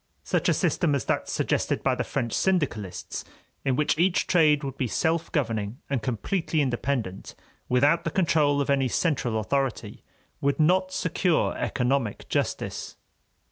Such a system as that suggested by the French syndicalists, in which each trade would be self governing and completely independent, without the control of any central authority, would not secure economic justice.